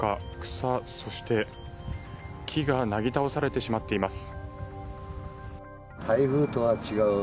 草、そして木がなぎ倒されてしまっています。